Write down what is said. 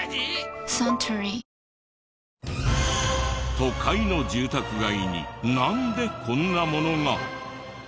都会の住宅街になんでこんなものが？